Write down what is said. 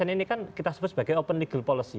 ini kan kita sebut sebagai open legal policy